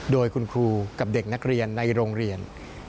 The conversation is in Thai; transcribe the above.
โดยคุณครูกับเด็กนักเรียนในโรงเรียน